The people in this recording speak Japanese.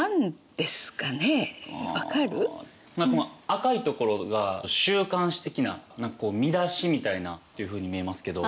赤いところが週刊誌的な何かこう見出しみたいなというふうに見えますけど。